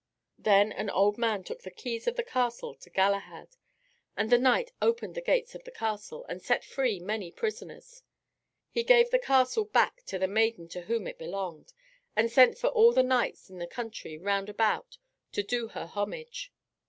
Then an old man took the keys of the castle to Galahad. And the knight opened the gates of the castle, and set free many prisoners. He gave the castle back to the maiden to whom it belonged, and sent for all the knights in the country round about to do her homage.